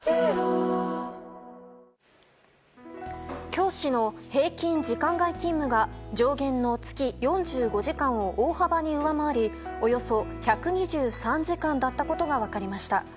教師の平均時間外勤務が上限の月４５時間を大幅に上回りおよそ１２３時間だったことが分かりました。